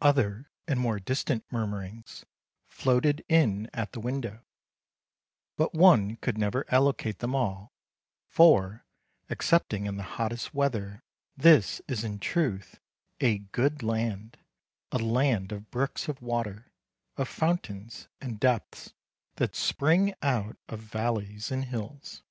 Other and more distant murmurings floated in at the window; but one could never allocate them all, for, excepting in the hottest weather, this is in truth "a good land, a land of brooks of water, of fountains and depths that spring out of valleys and hills."